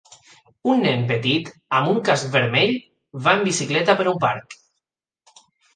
Un nen petit amb un casc vermell va en bicicleta per un parc.